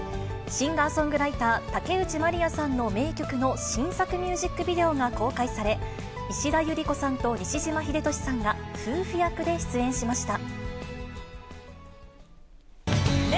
シンガーソングライター、竹内まりやさんの名曲の新作ミュージックビデオが公開され、石田ゆり子さんと西島秀俊さんが、夫婦役で出演しました。